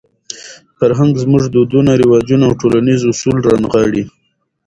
فرهنګ زموږ دودونه، رواجونه او ټولنیز اصول رانغاړي.